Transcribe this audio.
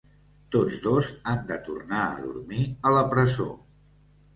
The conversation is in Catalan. Tots dos han de tornar a dormir a la presó.